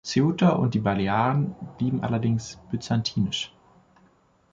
Ceuta und die Balearen blieben allerdings byzantinisch.